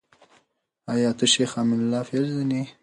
آيا ته شيخ امين الله پېژنې ؟